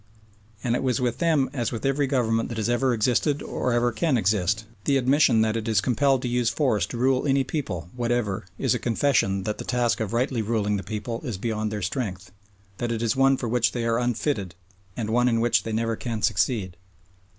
And it was with them as with every government that has ever existed or ever can exist, the admission that it is compelled to use force to rule any people whatever is a confession that the task of rightly ruling that people is beyond their strength, that it is one for which they are unfitted and one in which they never can succeed.